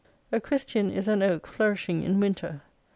A Christian is an oak flourishing in winter.